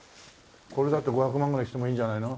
これだって５００万ぐらいしてもいいんじゃないの？